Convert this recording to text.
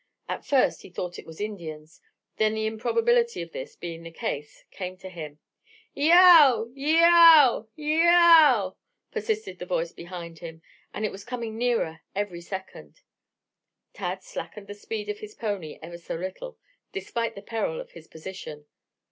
At first he thought it was Indians; then the improbability of this being the case came to him. "Yeow! Yeow! Yeow!" persisted the voice behind, and it was coming nearer every second. Tad slackened the speed of his pony ever so little, despite the peril of his position.